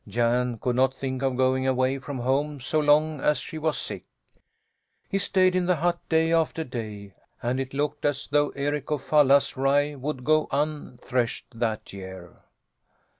Jan could not think of going away from home so long as she was sick. He stayed in the hut day after day, and it looked as though Eric of Falla's rye would go unthreshed that year.